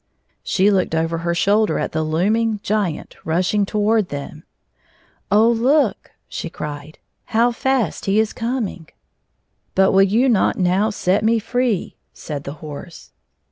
She looked over her shoulder at the looming Giant rushing toward them. " Oh, look !" she cried. " How fast he is coming !" V57 " But will you not now set me free ?" said the horse.